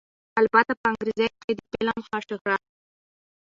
البته په انګرېزۍ کښې دې فلم ښۀ شهرت